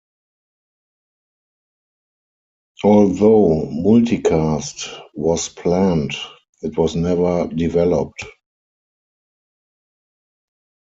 Although multicast was planned, it was never developed.